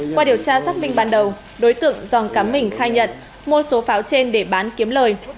qua điều tra xác minh ban đầu đối tượng dòng cắm mình khai nhận mua số pháo trên để bán kiếm lời